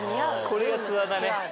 これがツアーだね。